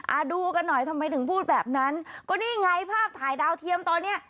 ดูกันหน่อยทำไมถึงพูดแบบนั้นก็นี่ไงภาพถ่ายดาวเทียมตอนเนี้ย